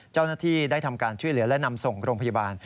เจ้าหน้าที่ได้ทำการช่วยเหลือและนำส่งโรงพยาบาล